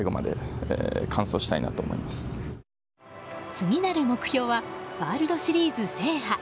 次なる目標はワールドシリーズ制覇。